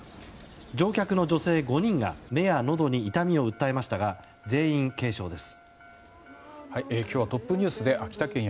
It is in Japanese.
乗客の女性５人が目やのどに痛みを訴えましたが全員軽症です。